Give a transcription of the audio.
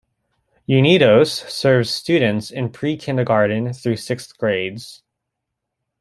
Unidos serves students in Pre-kindergarten through sixth grades.